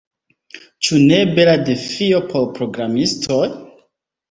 Ĉu ne bela defio por programistoj?